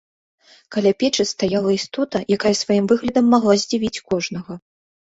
Каля печы стаяла істота, якая сваім выглядам магла здзівіць кожнага.